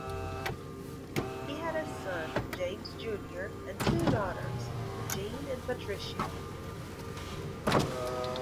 He had a son, James, Junior and two daughters, Jeanne and Patricia.